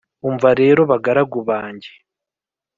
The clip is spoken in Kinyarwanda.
Umva rero bagaragu banjye